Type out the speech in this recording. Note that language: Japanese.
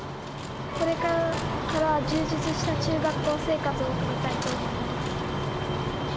これから充実した中学校生活を送りたいと思います。